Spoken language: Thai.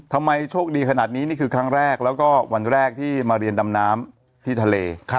ทำไมโชคดีขนาดนี้นี่คือครั้งแรกแล้วก็วันแรกที่มาเรียนดำน้ำที่ทะเล